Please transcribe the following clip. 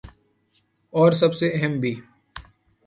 اور سب سے اہم بھی ۔